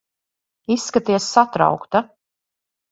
Izskaties satraukta.